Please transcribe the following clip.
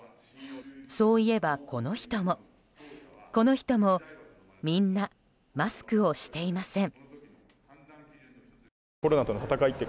そういえば、この人も、この人もみんなマスクをしていません。